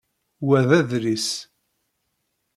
Wa d adlis.